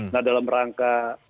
nah dalam rangka